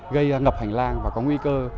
gây ngập hành lang và có nguy cơ